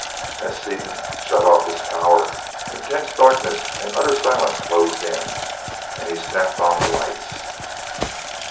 As Seaton shut off his power, intense darkness and utter silence closed in, and he snapped on the lights.